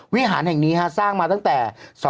วิหารแห่งนี้สร้างมาตั้งแต่๒๕๖